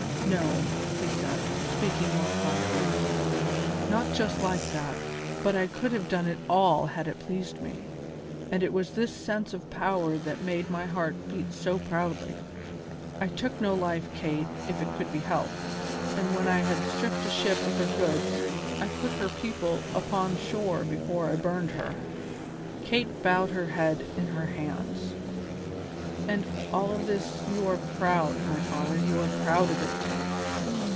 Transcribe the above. "No," said he, speaking more quietly, "not just like that, but I could have done it all had it pleased me, and it was this sense of power that made my heart beat so proudly. I took no life, Kate, if it could be helped, and when I had stripped a ship of her goods, I put her people upon shore before I burned her." Kate bowed her head in her hands. "And of all this you are proud, my father, you are proud of it!"